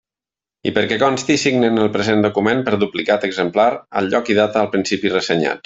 I perquè consti signen el present document per duplicat exemplar, al lloc i data al principi ressenyats.